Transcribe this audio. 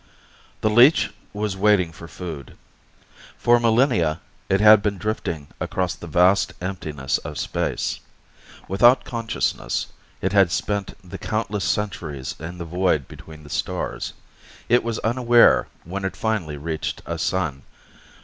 _ The leech was waiting for food. For millennia it had been drifting across the vast emptiness of space. Without consciousness, it had spent the countless centuries in the void between the stars. It was unaware when it finally reached a sun.